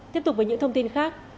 tiếp tục với những thông tin khác